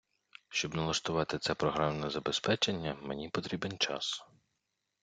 Щоб налаштувати це програмне забезпечення, мені потрібен час.